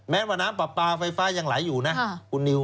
ว่าน้ำปลาปลาไฟฟ้ายังไหลอยู่นะคุณนิว